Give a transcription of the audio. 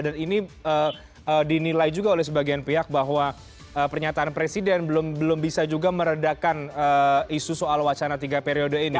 dan ini dinilai juga oleh sebagian pihak bahwa pernyataan presiden belum bisa juga meredakan isu soal wacana tiga periode ini